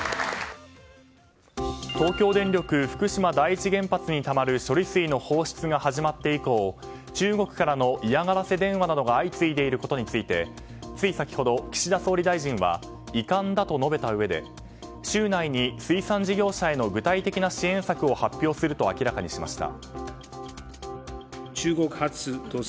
東京電力福島第一原発にたまる処理水の放出が始まって以降中国からの嫌がらせ電話などが相次いでいることについてつい先ほど岸田総理大臣は遺憾だと述べたうえで週内に水産事業者への具体的な支援策を発表すると明らかにしました。